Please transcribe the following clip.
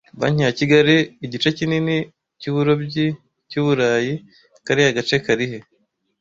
Banki ya kigali, igice kinini cy’uburobyi cy’Uburayi, kariya gace karihe